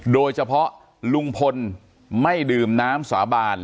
โดยเฉพาะลุงพลไม่ดื่มน้ำสาบาน